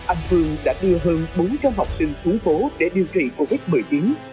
anh phương đã đưa hơn bốn trăm linh học sinh xuống phố để điều trị covid một mươi chín